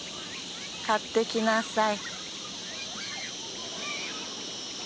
買ってきなさい。